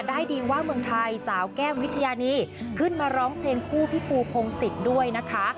ได้ดีว่าเมืองไทยสาวแก้มวิทยานีขึ้นมาร้องเพลงคู่พี่ปูพงศิษย์ด้วยนะคะ